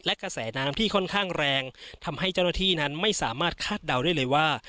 และกระแสน้ำที่ค่อนข้างแรงทำให้เจ้าหน้าที่นั้นไม่สามารถคาดเดาได้เลยว่า